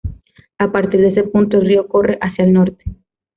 A partir de ese punto el río corre hacia el norte.